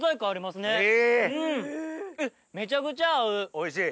おいしい？